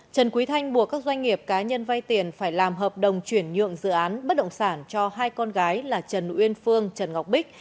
trần quý thanh buộc các doanh nghiệp cá nhân vay tiền phải làm hợp đồng chuyển nhượng dự án bất động sản cho hai con gái là trần uyên phương trần ngọc bích